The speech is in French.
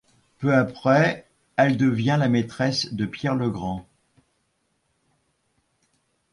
Peu après, elle devient la maîtresse de Pierre le Grand.